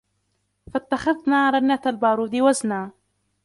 فاتخذنا رنة البارود وزنا